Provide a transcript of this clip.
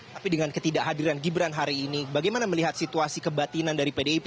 tapi dengan ketidakhadiran gibran hari ini bagaimana melihat situasi kebatinan dari pdip